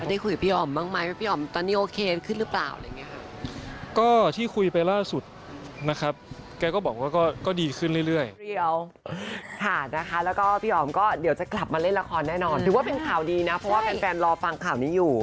ได้คุยกับพี่ออมบ้างไหมว่าพี่ออมตอนนี้โอเคขึ้นหรือเปล่า